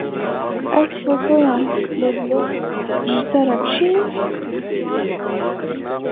Ez fotoyan bi Bilutoz ji te re bişînim.